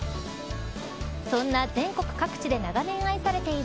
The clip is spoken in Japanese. そんな全国各地で長年愛されている